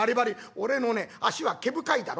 「俺のね脚は毛深いだろ？